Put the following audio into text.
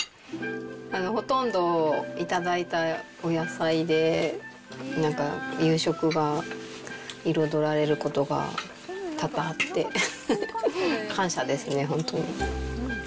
ほとんど、頂いたお野菜でなんか夕食が彩られることが多々あって、感謝ですね、本当に。